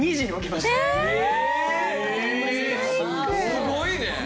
すごいね。